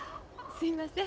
すいません。